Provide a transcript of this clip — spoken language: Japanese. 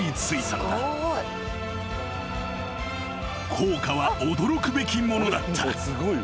［効果は驚くべきものだった］